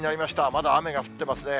まだ雨が降ってますね。